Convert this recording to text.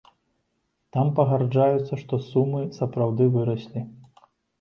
Там пагаджаюцца, што сумы сапраўды выраслі.